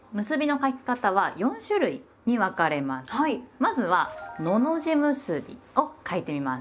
まずは「のの字結び」を書いてみます。